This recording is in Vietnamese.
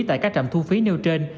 tại các trạm thu phí nêu trên